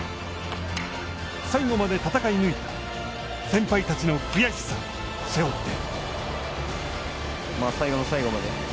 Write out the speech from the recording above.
最後まで戦い抜いた先輩たちの悔しさを背負って。